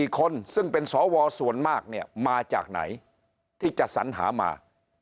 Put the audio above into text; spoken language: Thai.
๔คนซึ่งเป็นสวส่วนมากเนี่ยมาจากไหนที่จะสัญหามา